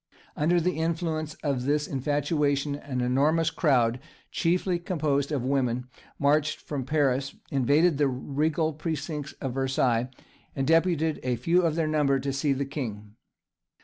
Under the influence of this infatuation, an enormous crowd, chiefly composed of women, marched from Paris, invaded the regal precincts of Versailles, and deputed a few of their number to see the king.